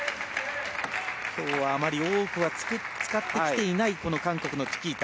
今日はあまり多くは使ってきていない韓国のチキータ。